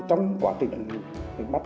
trong quá trình lệnh bắt